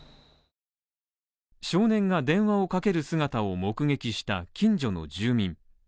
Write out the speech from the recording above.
少年が電話をかける姿を目撃した近所の住民。